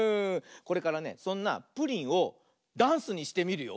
これからねそんなプリンをダンスにしてみるよ。